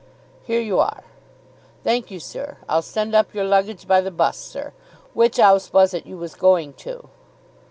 "Here you are." "Thank you, sir. I'll send up your luggage by the 'bus, sir. Which 'ouse was it you was going to?"